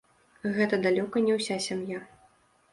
Гэта далёка не ўся сям'я.